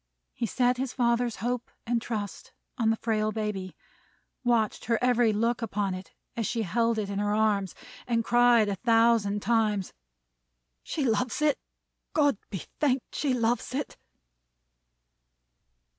He set his father's hope and trust on the frail baby; watched her every look upon it as she held it in her arms; and cried a thousand times, "She loves it! God be thanked, she loves it!"